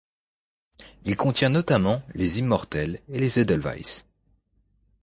Il contient notamment les immortelles et les edelweiss.